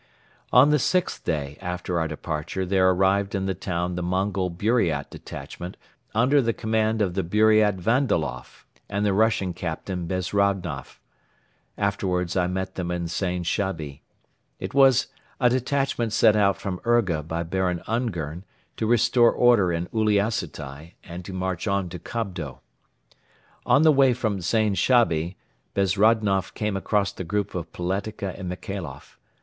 On the sixth day after our departure there arrived in the town the Mongol Buriat detachment under the command of the Buriat Vandaloff and the Russian Captain Bezrodnoff. Afterwards I met them in Zain Shabi. It was a detachment sent out from Urga by Baron Ungern to restore order in Uliassutai and to march on to Kobdo. On the way from Zain Shabi Bezrodnoff came across the group of Poletika and Michailoff.